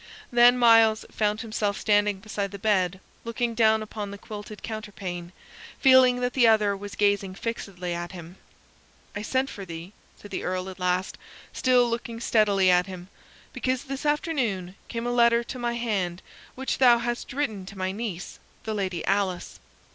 Then Myles found himself standing beside the bed, looking down upon the quilted counterpane, feeling that the other was gazing fixedly at him. "I sent for thee," said the Earl at last, still looking steadily at him, "because this afternoon came a letter to my hand which thou hadst written to my niece, the Lady Alice.